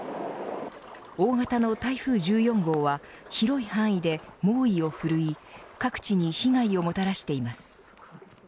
大型の台風１４号は広い範囲で猛威をふるい各地に被害をもたらしています。